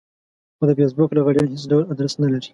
خو د فېسبوک لغړيان هېڅ ډول ادرس نه لري.